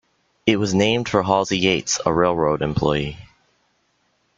It was named for Halsey Yates, a railroad employee.